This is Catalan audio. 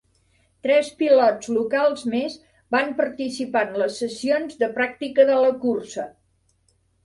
Tres pilots locals més van participar en les sessions de pràctica de la cursa.